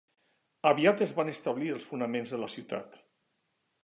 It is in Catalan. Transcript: Aviat es van establir els fonaments de la ciutat.